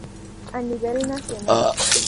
A nivel nacional.